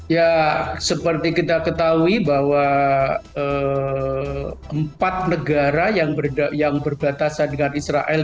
ya seperti kita ketahui bahwa empat negara yang berbatasan dengan israel